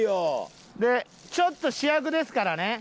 ちょっと主役ですからね